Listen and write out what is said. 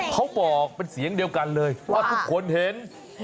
เขาบอกเป็นเสียงเดียวกันเลยว่าทุกคนเห็น